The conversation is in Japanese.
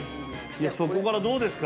そこからどうですか？